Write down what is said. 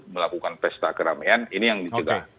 melakukan pesta keramaian ini yang di juga